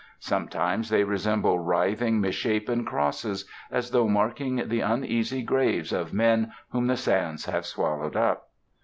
Sometimes they resemble writhing, misshapen crosses, as though marking the uneasy graves of men whom the sands have swallowed up.